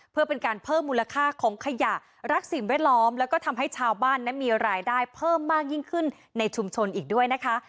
เพื่อเป็นการเพิ่มมูลค่าของขยะรักสิ่งแวดล้อมแล้วก็ทำให้ชาวบ้านนั้นมีรายได้เพิ่มมากยิ่งขึ้นในชุมชนอีกด้วยนะคะ